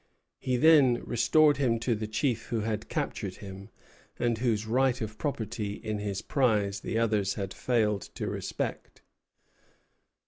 He then restored him to the chief who had captured him, and whose right of property in his prize the others had failed to respect.